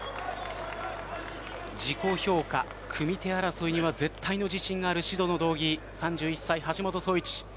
自己評価、組み手争いには絶対の自信がある白の道着、３１歳の橋本壮市。